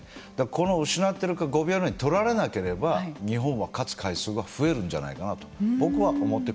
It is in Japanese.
この失ってる５秒以内に取られなければ日本は勝つ回数が増えるんじゃないかなと僕は思って。